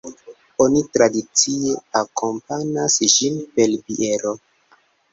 Oni tradicie akompanas ĝin per biero.